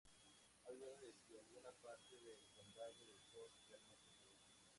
Hay duda de si alguna parte del condado de Cork realmente se ve.